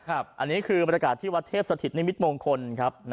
อันนี้คือบรรยากาศที่วัดเทพสถิตนิมิตมงคลครับ